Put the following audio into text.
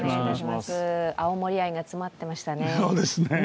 青森愛が詰まっていましたね。